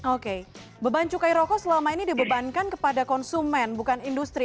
oke beban cukai rokok selama ini dibebankan kepada konsumen bukan industri